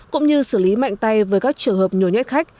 cũng như xử lý mạnh tay với các trường hợp nhồi nhét khách